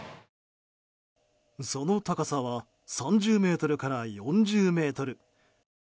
その高さは３０ｍから４０ｍ。